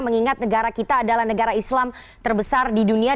mengingat negara kita adalah negara islam terbesar di dunia